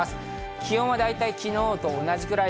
気温はだいたい昨日と同じぐらい。